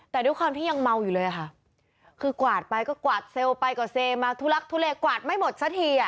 แต่ด้วยความที่ยังเมาอยู่เลยค่ะคือกวาดไปก็กวาดเซลล์ไปก็เซลมาทุลักทุเลกวาดไม่หมดสักทีอ่ะ